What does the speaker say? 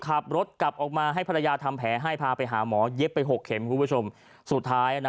อาการติดตามนะครับ